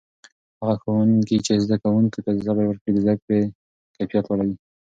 هغه ښوونکي چې زده کوونکو ته صبر وکړي، د زده کړې کیفیت لوړوي.